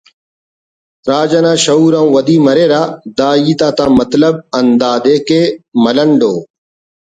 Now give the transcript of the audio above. راج انا شعور آن ودی مریرہ “ دا ہیت آتا مطلب ہندادے کہ ملنڈ و